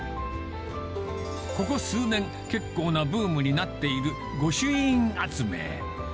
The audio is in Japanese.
ここ数年、結構なブームになっている御朱印集め。